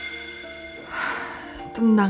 tidak elsa tenang